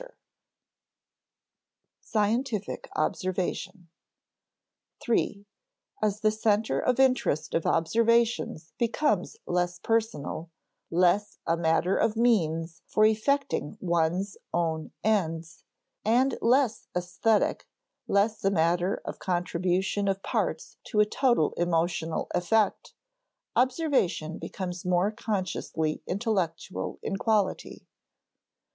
[Sidenote: Scientific observation] III. As the center of interest of observations becomes less personal, less a matter of means for effecting one's own ends, and less æsthetic, less a matter of contribution of parts to a total emotional effect, observation becomes more consciously intellectual in quality.